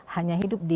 hanya hidup di